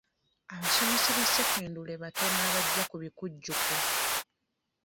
Abasomesa ba ssekendule batono abajja ku bikujjuko.